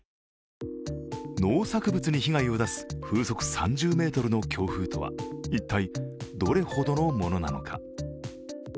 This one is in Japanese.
農作物に被害を出す風速３０メートルの強風とは一体どれほどのものなのか。